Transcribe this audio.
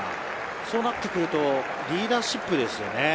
そうなってくるとリーダーシップですよね。